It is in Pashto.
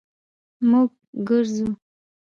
مونږ ګرځو